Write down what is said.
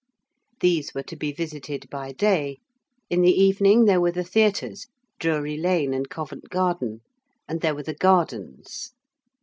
These were to be visited by day. In the evening there were the theatres, Drury Lane and Covent Garden: and there were the Gardens.